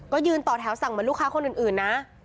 ก็ยืนต่อแถวสั่งเหมือนลูกค้าคนอื่นนะ